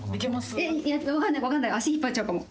わかんないわかんない足引っ張っちゃうかも。